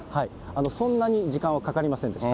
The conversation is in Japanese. そんなに時間はかかりませんでした。